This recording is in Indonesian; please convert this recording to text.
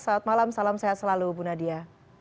selamat malam salam sehat selalu bu nadia